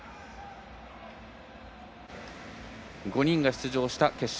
５人が出場した決勝